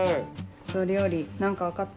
それより何か分かった？